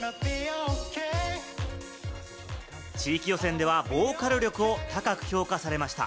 地域予選ではボーカル力を高く評価されました。